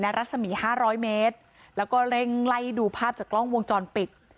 รัศมี๕๐๐เมตรแล้วก็เร่งไล่ดูภาพจากกล้องวงจรปิด